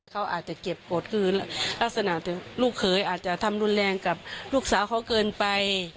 เขาอาจจะเก็บกฎคือลักษณะลูกเขยอาจจะทำรุนแรงกับลูกสาวเขาเกินไป